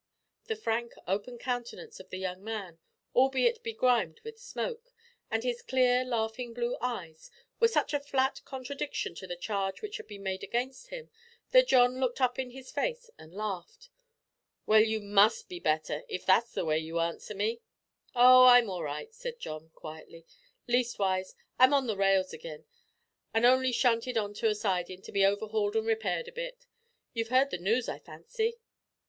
The frank open countenance of the young man albeit begrimed with smoke, and his clear laughing blue eyes, were such a flat contradiction to the charge which had been made against him that John looked up in his face and laughed. "Well, you must be better, if that's the way you answer me!" "Oh, I'm all right," said John, quietly; "leastwise I'm on the rails agin, an' only shunted on to a sidin' to be overhauled and repaired a bit. You've heard the noos, I fancy?"